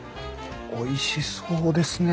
おいしそうですね。